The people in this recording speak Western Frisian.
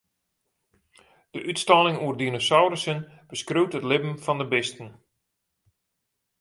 De útstalling oer dinosaurussen beskriuwt it libben fan de bisten.